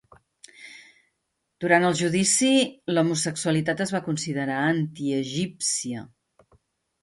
Durant el judici, l'homosexualitat es va considerar "antiegípcia".